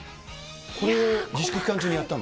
これ、自粛期間中にやったの？